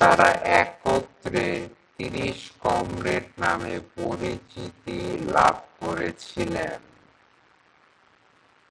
তাঁরা একত্রে "তিরিশ কমরেড" নামে পরিচিতি লাভ করেছিলেন।